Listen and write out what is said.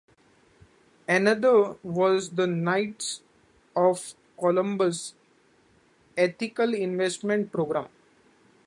Another was the Knights of Columbus ethical investment programme.